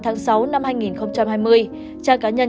tháng sáu năm hai nghìn hai mươi trang cá nhân